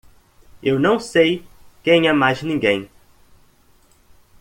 Eu não sei quem é mais ninguém!